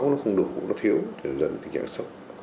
nó cũng nó không được nó thiếu nó dẫn đến tình trạng sốc